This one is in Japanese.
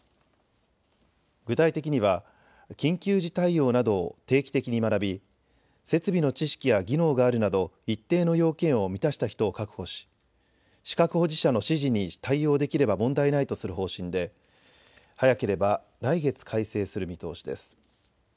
具体的には、緊急時対応などを定期的に学び設備の知識や技能があるなど一定の要件を満たした人を確保し資格保持者の指示に対応できれば問題ないとする方針で早ければ来月改正する見通しです。